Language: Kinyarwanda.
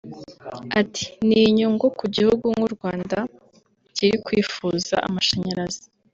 Ati “Ni inyungu ku gihugu nk’u Rwanda kiri kwifuza amashanyarazi